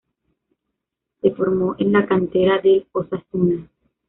Se formó en la cantera del Osasuna.